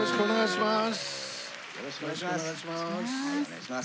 よろしくお願いします。